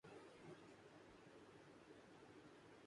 General Zia اور ان کے رفقاء گھبرا گئے۔